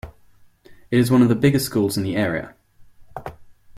It is one of the bigger schools in the area.